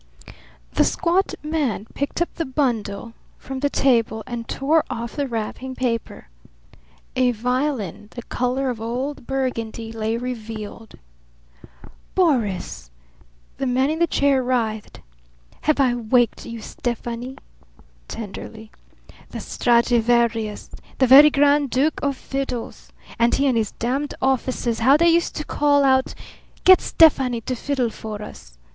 The squat man picked up the bundle from the table and tore off the wrapping paper. A violin the colour of old Burgundy lay revealed. "Boris!" The man in the chair writhed. "Have I waked you, Stefani?" tenderly. "The Stradivarius the very grand duke of fiddles! And he and his damned officers, how they used to call out 'Get Stefani to fiddle for us!'